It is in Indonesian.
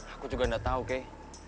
aku juga nggak tahu kay